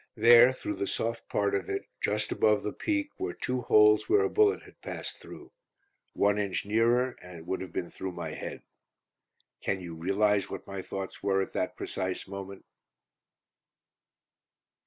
There, through the soft part of it, just above the peak, were two holes where a bullet had passed through. One inch nearer and it would have been through my head. Can you realise what my thoughts were at that precise moment?